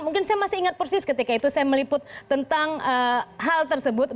mungkin saya masih ingat persis ketika itu saya meliput tentang hal tersebut